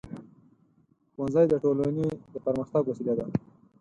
ښوونځی د ټولنې د پرمختګ وسیله ده.